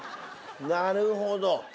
なるほど。